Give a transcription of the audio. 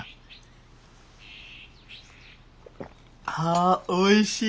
あおいしい！